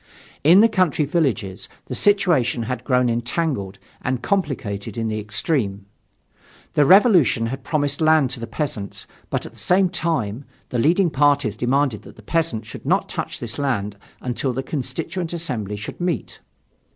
In the country villages, the situation had grown entangled and complicated in the extreme. The Revolution had promised land to the peasant, but at the same time, the leading parties demanded that the peasant should not touch this land until the Constituent Assembly should meet.